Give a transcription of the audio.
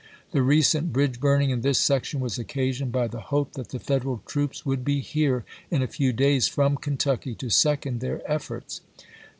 The recent bridge burning in this section was occasioned by the hope that the Federal troops would be here in a few days from Kentucky to second their efforts.